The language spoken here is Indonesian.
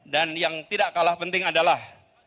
dan yang tidak kalah penting adalah